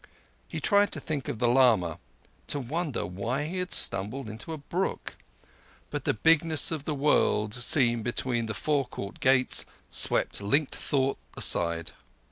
He tried to think of the lama—to wonder why he had tumbled into a brook—but the bigness of the world, seen between the forecourt gates, swept linked thought aside.